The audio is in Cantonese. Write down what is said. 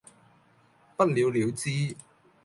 不了了之